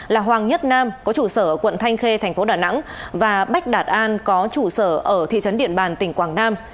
là hoàng nhất nam có trụ sở quận thanh khê thành phố đà nẵng và bách đạt an có trụ sở ở thị trấn điện bàn tỉnh quảng nam